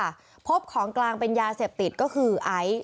พบของกลางเป็นยาเสพติดก็คือไอซ์